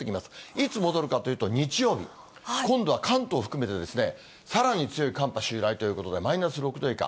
いつ戻るかというと日曜日、今度は関東含めて、さらに強い寒波襲来ということで、マイナス６度以下。